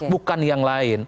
bukan yang lain